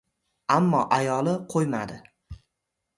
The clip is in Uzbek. Ammo ayoli ko‘ymadi: